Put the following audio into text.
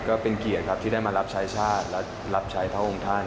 ก็เป็นเกียรติครับที่ได้มารับชายชาติและรับใช้พระองค์ท่าน